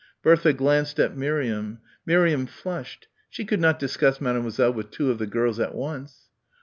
Bertha glanced at Miriam. Miriam flushed. She could not discuss Mademoiselle with two of the girls at once.